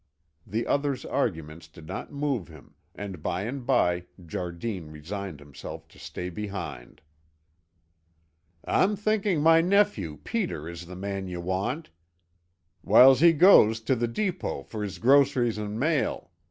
The other's arguments did not move him and by and by Jardine resigned himself to stay behind. "I'm thinking my nephew, Peter, is the man ye want. Whiles he goes to the depot for his groceries and mail.